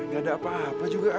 gak ada apa apa juga